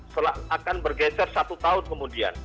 akan bergeser satu tahun kemudian